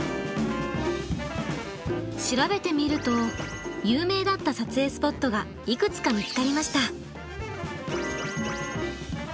調べてみると有名だった撮影スポットがいくつか見つかりました。